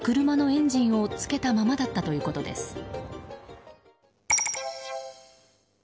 車のエンジンをつけたままだったということです。